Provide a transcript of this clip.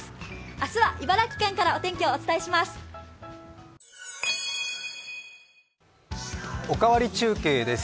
明日は茨城県からお天気をお伝えします。